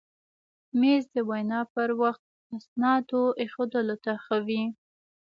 مېز د وینا پر وخت اسنادو ایښودلو ته ښه وي.